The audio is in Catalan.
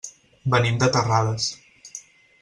Venim de Terrades.